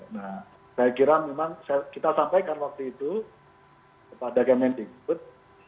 nah saya kira memang kita sampaikan waktu itu kepada kementikbud